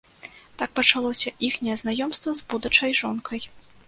Так пачалося іхняе знаёмства, з будучай жонкай.